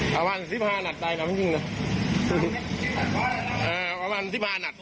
ประมาณ๑๕นัทตายมาไม่จริงนะ